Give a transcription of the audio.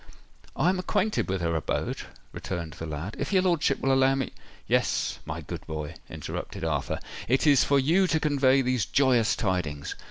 "I am acquainted with her abode," returned the lad. "If your lordship will allow me——" "Yes, my good boy," interrupted Arthur. "It is for you to convey these joyous tidings.